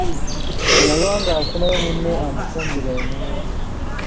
Teyalwa ng'afunayo munne amufumbira eminwe.